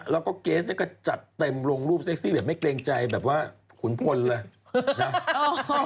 แล้วก็เกสเนี่ยก็จัดเต็มลงรูปเซ็กซี่แบบไม่เกรงใจแบบว่าขุนพลเลยนะ